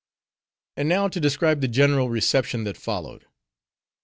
And now to describe the general reception that followed.